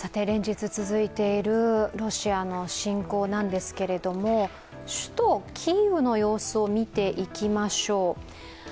連日続いているロシアの侵攻なんですけれども首都キーウの様子を見ていきましょう。